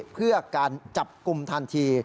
เพื่อการจับกลุ่มทันที